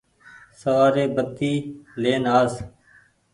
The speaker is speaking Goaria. سوآري بتي لين آس ۔